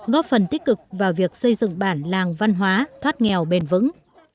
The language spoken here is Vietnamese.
góp phần tích cực vào việc xây dựng bản làng văn hóa thoát nghèo bền vững